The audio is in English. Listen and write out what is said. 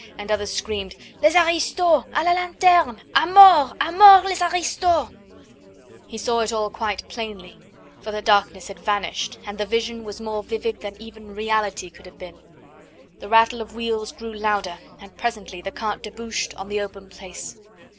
and others screamed: "Les aristos! a la lanterne! a mort! a mort! les aristos!" He saw it all quite plainly, for the darkness had vanished, and the vision was more vivid than even reality could have been. The rattle of wheels grew louder, and presently the cart debouched on the open place.